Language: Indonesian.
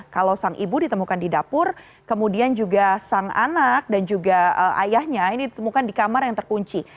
kalau sang ibu ditemukan di dapur kemudian juga sang anak dan juga ayahnya ini ditemukan di kamar yang terkunci